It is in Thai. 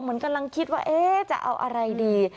เหมือนกำลังคิดว่าเอ๊ะจะเอาอะไรดี